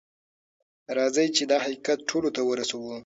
راځئ چې دا حقیقت ټولو ته ورسوو.